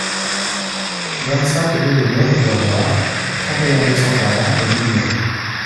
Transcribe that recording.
vingt-cinq rUE DES MONTS DES BOIS NOIRS, trente et un, deux cent quarante, L'Union